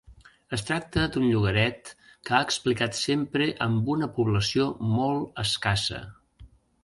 Es tracta d'un llogaret que ha explicat sempre amb una població molt escassa.